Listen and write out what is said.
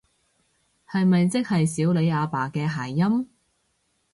係咪即係少理阿爸嘅諧音？